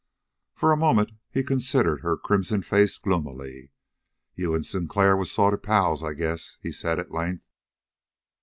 For a moment he considered her crimson face gloomily. "You and Sinclair was sort of pals, I guess," he said at length.